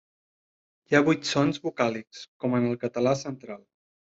Hi ha vuit sons vocàlics, com en català central.